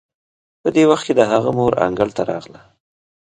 په دې وخت کې د هغه مور انګړ ته راغله.